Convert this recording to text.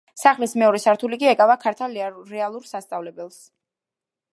სახლის მეორე სართული კი ეკავა ქალთა რეალურ სასწავლებელს.